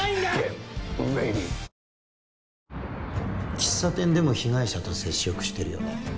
喫茶店でも被害者と接触してるよね